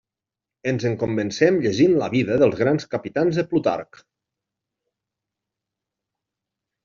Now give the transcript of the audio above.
Ens en convencem llegint la Vida dels grans capitans de Plutarc.